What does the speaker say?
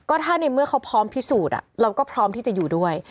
ถ้าในเมื่อเขาพร้อมพิสูจน์เราก็พร้อมที่จะอยู่ด้วย